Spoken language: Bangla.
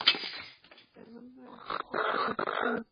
জঘন্য একটা শার্ট সনাক্ত হয়েছে।